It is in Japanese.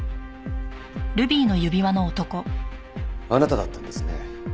あなただったんですね。